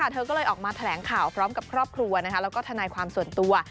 เธอก็เลยออกมาแถลงข่าวพร้อมกับครอบครัวแล้วก็ทนายความส่วนตัว